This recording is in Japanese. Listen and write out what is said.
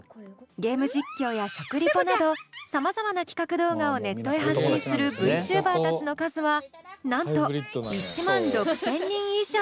ゲーム実況や食リポなどさまざまな企画動画をネットへ発信するＶチューバーたちの数はなんと１万６，０００人以上。